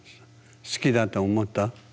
好きだと思った？